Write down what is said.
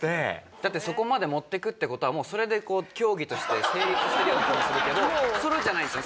だってそこまで持っていくって事はもうそれで競技として成立してるような気もするけどそういう事じゃないんですね。